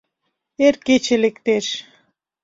Эр кече лектеш